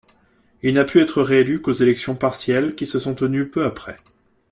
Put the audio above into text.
Il n'a pu être réélu qu'aux élections partielles qui se sont tenues peu après.